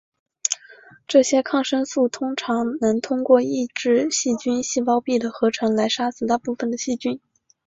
这些抗生素通常能通过抑制细菌细胞壁的合成来杀死大部分的细菌。